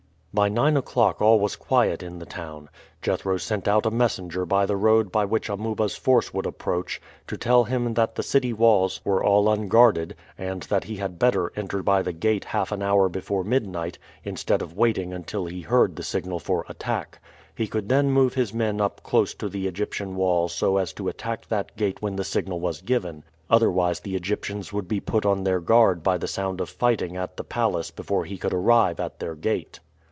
By nine o'clock all was quiet in the town. Jethro sent out a messenger by the road by which Amuba's force would approach, to tell him that the city walls were all unguarded, and that he had better enter by the gate half an hour before midnight, instead of waiting until he heard the signal for attack. He could then move his men up close to the Egyptian wall so as to attack that gate when the signal was given, otherwise the Egyptians would be put on their guard by the sound of fighting at the palace before he could arrive at their gate.